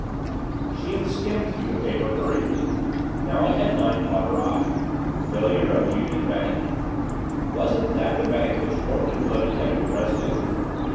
She had skimmed through the paper hurriedly; now a headline caught her eye. Failure of Union Bank wasn't that the bank of which Courtleigh Fleming had been president?